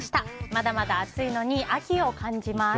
まだまだ暑いのに秋を感じます。